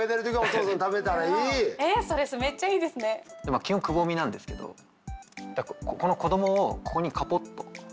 まあ基本くぼみなんですけどここの子どもをここにカポッと。